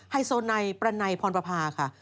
ไฮโซไนประไนพรปภาค่ะ